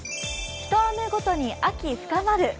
ひと雨ごとに秋深まる。